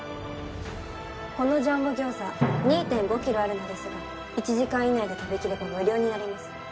このジャンボ餃子２．５ｋｇあるのですが１時間以内で食べ切れば無料になります。